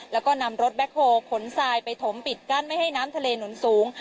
แล้วก็นำรถแบ็คโฮลขนทรายไปถมปิดกั้นไม่ให้น้ำทะเลหนุนสูง